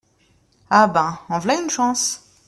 Ah ! ben… en v’là une chance !